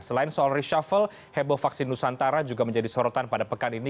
selain soal reshuffle heboh vaksin nusantara juga menjadi sorotan pada pekan ini